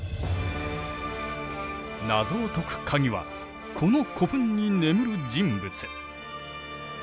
謎を解く鍵はこの古墳に眠る人物。